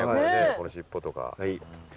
この尻尾とか。